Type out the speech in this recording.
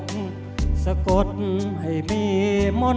เพลงพร้อมร้องได้ให้ล้าน